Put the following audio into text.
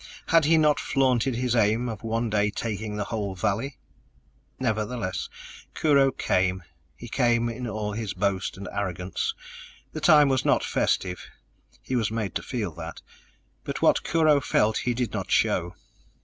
Had he not flaunted his aim of one day taking the whole valley? Nevertheless, Kurho came. He came in all his boast and arrogance. The time was not festive he was made to feel that but what Kurho felt he did not show.